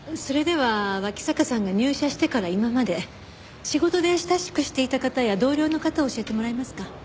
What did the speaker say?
それでは脇坂さんが入社してから今まで仕事で親しくしていた方や同僚の方を教えてもらえますか？